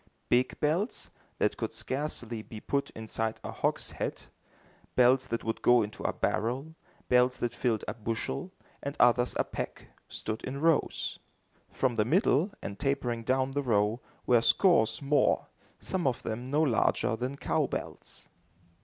Big bells, that could scarcely be put inside a hogshead, bells that would go into a barrel, bells that filled a bushel, and others a peck, stood in rows. From the middle, and tapering down the row, were scores more, some of them no larger than cow bells.